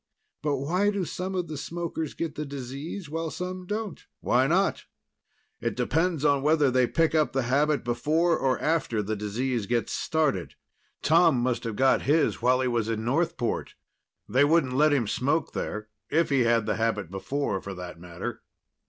But why do some of the smokers get the disease while some don't?" "Why not? It depends on whether they pick up the habit before or after the disease gets started. Tom must have got his while he was in Northport. They wouldn't let him smoke there if he had the habit before, for that matter."